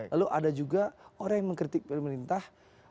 lalu ada juga orang yang mengkritik pemerintah